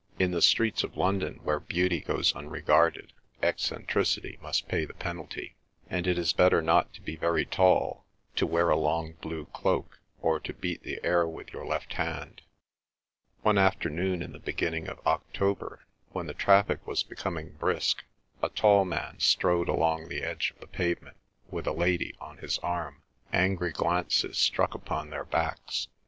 In the streets of London where beauty goes unregarded, eccentricity must pay the penalty, and it is better not to be very tall, to wear a long blue cloak, or to beat the air with your left hand. One afternoon in the beginning of October when the traffic was becoming brisk a tall man strode along the edge of the pavement with a lady on his arm. Angry glances struck upon their backs.